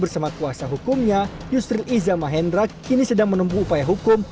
secara hukumnya yusril izzah mahendraq kini sedang menempuh upaya hukum